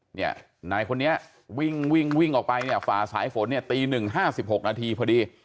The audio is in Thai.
นายคนนี้วิ่งวิ่งออกไปเนี่ยฝ่าสายฝนเนี่ยตีหนึ่งห้าสิบหกนาทีพอดี